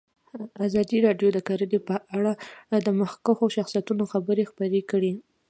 ازادي راډیو د کرهنه په اړه د مخکښو شخصیتونو خبرې خپرې کړي.